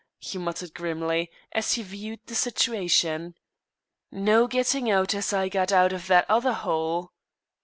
he muttered grimly, as he viewed the situation. "No getting out as I got out of that other hole."